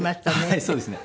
はいそうですね。